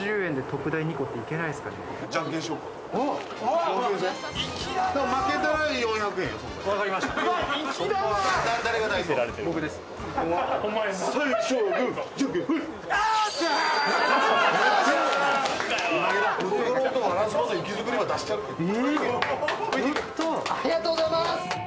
ありがとうございます！